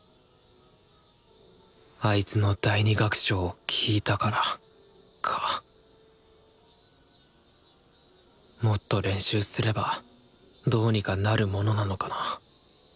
あいつの第２楽章を聴いたからかもっと練習すればどうにかなるものなのかな。